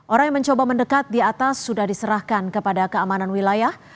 orang yang mencoba mendekat di atas sudah diserahkan kepada keamanan wilayah